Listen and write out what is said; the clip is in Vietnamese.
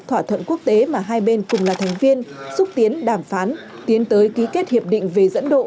thỏa thuận quốc tế mà hai bên cùng là thành viên xúc tiến đàm phán tiến tới ký kết hiệp định về dẫn độ